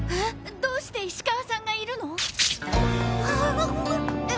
どうして石川さんがいるの？はぅっ。